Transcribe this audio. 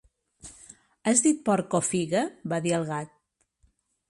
"Has dit porc o figa?", va dir el gat.